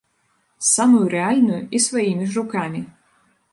Самую рэальную і сваімі ж рукамі.